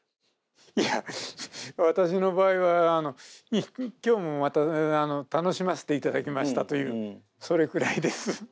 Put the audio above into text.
いや私の場合は今日もまた楽しませていただきましたというそれくらいです。